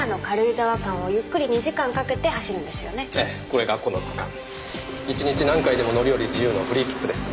これがこの区間１日何回でも乗り降り自由のフリー切符です。